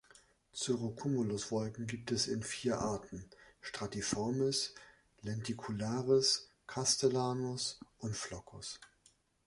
Cirrocumulus-Wolken gibt es in vier Arten: stratiformis, lenticularis, castellanus und floccus